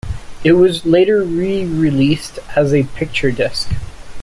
It was later re-released as a picture disc.